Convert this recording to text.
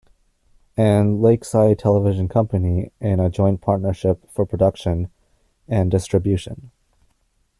and Lakeside Television Company in a joint partnership for production and distribution.